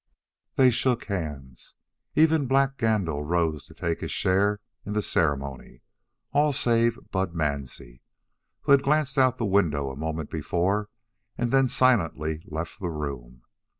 They shook hands. Even Black Gandil rose to take his share in the ceremony all save Bud Mansie, who had glanced out the window a moment before and then silently left the room.